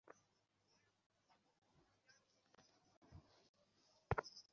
দেশপ্রিয় পার্কের এবার মণ্ডপের প্রবেশদ্বার করা হয়েছে অসুরের মুখকে থিম করে।